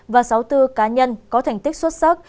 và sáu mươi bốn cá nhân có thành tích xuất sắc